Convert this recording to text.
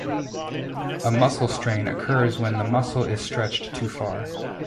A muscle strain occurs when the muscle is stretched too far.